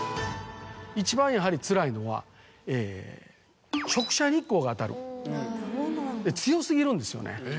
一番やはりつらいのは直射日光が当たる強過ぎるんですよね。